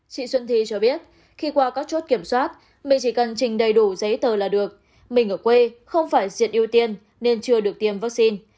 chị xuân thi cho biết khi qua các chốt kiểm soát mình chỉ cần trình đầy đủ giấy tờ là được mình ở quê không phải diện ưu tiên nên chưa được tiêm vaccine